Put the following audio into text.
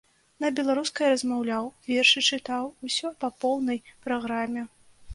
На беларускай размаўляў, вершы чытаў, усё па поўнай праграме.